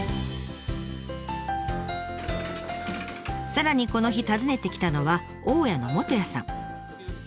さらにこの日訪ねてきたのは大家の元屋さん。